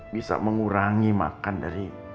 bisa mengurangi makan dari